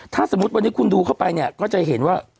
ถ้าสมมุติวันนี้คุณดูเข้าไปเนี่ยก็จะเห็นว่า